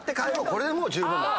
これでもう十分なの。